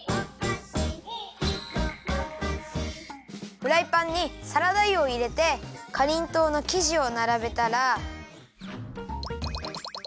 フライパンにサラダ油をいれてかりんとうのきじをならべたら。